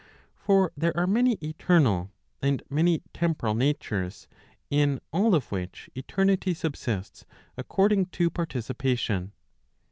For there are many eternal, and many temporal natures in all of which eternity subsists according to participation.